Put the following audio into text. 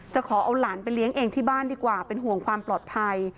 ขอเอาหลานไปเลี้ยงเองที่บ้านดีกว่าเป็นห่วงความปลอดภัย